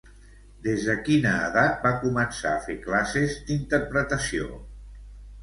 Des de quina edat va començar a fer classes d'interpretació?